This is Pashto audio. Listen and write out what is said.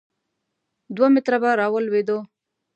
دوه متره به را ولوېدو.